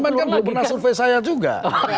coba sampe kan belum pernah survei saya juga